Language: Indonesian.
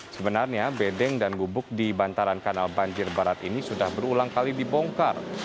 sebenarnya bedeng dan gubuk di bantaran kanal banjir barat ini sudah berulang kali dibongkar